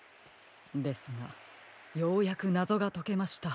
ですがようやくなぞがとけました。